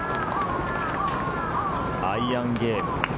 「アイアンゲーム！」。